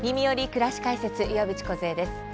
くらし解説」岩渕梢です。